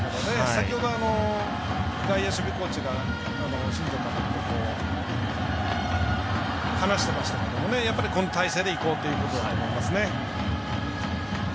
先ほど外野守備コーチが新庄監督と話してましたがこの態勢でいこうということだと思います。